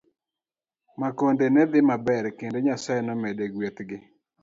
Makonde ne dhi maber kendo Nyasaye nomedo gwetho gi.